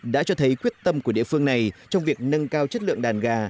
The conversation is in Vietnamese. đã cho thấy quyết tâm của địa phương này trong việc nâng cao chất lượng đàn gà